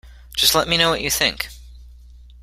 Just let me know what you think